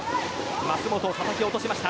舛本をたたき落としました。